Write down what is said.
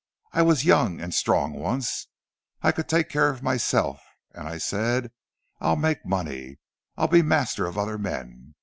I was young and strong once—I could take care of myself; and I said: I'll make money, I'll be master of other men!